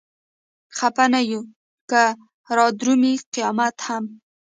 خپه نه يو که رادرومي قيامت هم